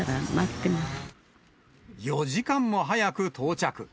４時間も早く到着。